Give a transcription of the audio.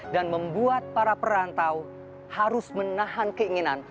dan membuat para perantau harus menahan keinginan